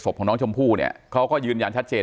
ของน้องชมพู่เนี่ยเขาก็ยืนยันชัดเจน